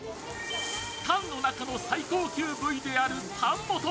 タンの中の最高級部位であるタン元。